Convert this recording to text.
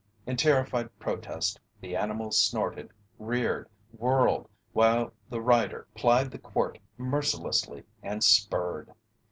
In terrified protest the animal snorted, reared, whirled, while the rider plied the quirt mercilessly and spurred.